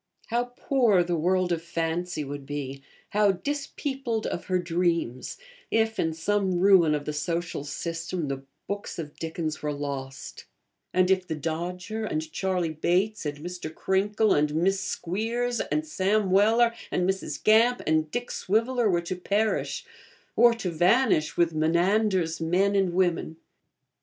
How poor the world of fancy would be, how 'dispeopled of her dreams,' if, in some ruin of the social system, the books of Dickens were lost; and if The Dodger, and Charley Bates, and Mr. Crinkle, and Miss Squeers, and Sam Weller, and Mrs. Gamp, and Dick Swiveller were to perish, or to vanish with Menander's men and women!